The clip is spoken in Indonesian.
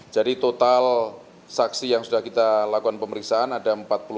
jadi total saksi yang sudah kita lakukan pemeriksaan ada empat puluh tiga